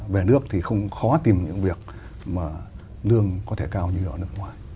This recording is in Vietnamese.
về nước thì không khó tìm những việc mà lương có thể cao như ở nước ngoài